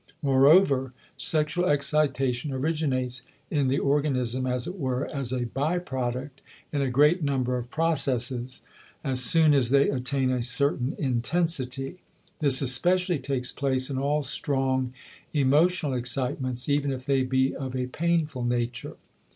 Moreover, sexual excitation originates in the organism, as it were, as a by product in a great number of processes, as soon as they attain a certain intensity; this especially takes place in all strong emotional excitements even if they be of a painful nature.